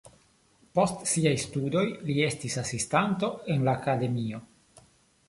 Post siaj studoj li estis asistanto en la akademio.